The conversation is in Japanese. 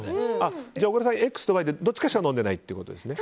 じゃあ小倉さんＸとＹのどちらかしか飲んでいないということですね。